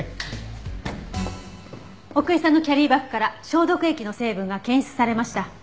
奥居さんのキャリーバッグから消毒液の成分が検出されました。